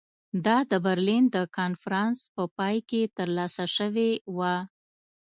دا د برلین د کنفرانس په پای کې ترلاسه شوې وه.